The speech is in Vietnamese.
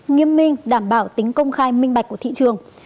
nghiêm minh đảm bảo tính công khai minh bạch của thị trường